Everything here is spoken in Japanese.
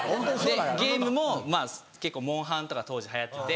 でゲームもまぁ『モンハン』とか当時流行ってて。